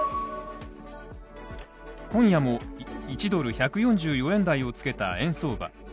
今夜も１ドル＝１４４円台をつけた円相場。